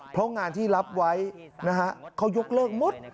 เพราะงานที่รับไว้เขายกเลิกหมด